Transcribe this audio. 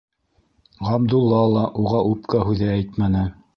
Ғабдулла ла уға үпкә һүҙе әйтмәне.